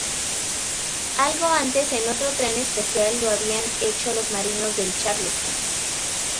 Algo antes en otro tren especial lo habían hecho los marinos del "Charleston".